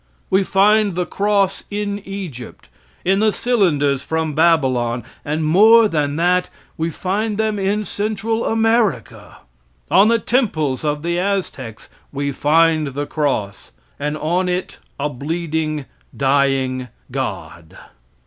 We find the cross in Egypt, in the cylinders from Babylon, and, more than that, we find them in Central America. On the temples of the Aztecs we find the cross, and on it a bleeding, dying god.